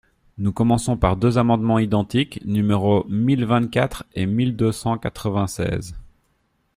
Nous commençons par deux amendements identiques, numéros mille vingt-quatre et mille deux cent quatre-vingt-seize.